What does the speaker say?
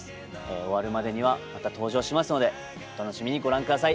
終わるまでにはまた登場しますのでお楽しみにご覧下さい。